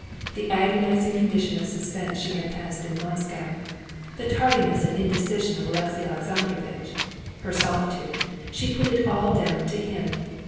The agonizing condition of suspense she had passed in Moscow, the tardiness and indecision of Alexey Alexandrovitch, her solitude—she put it all down to him.